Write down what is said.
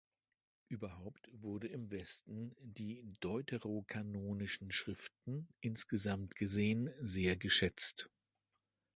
Überhaupt wurden im Westen die deuterokanonischen Schriften, insgesamt gesehen, sehr geschätzt.